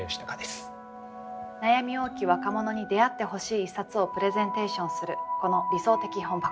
悩み多き若者に出会ってほしい一冊をプレゼンテーションするこの「理想的本箱」。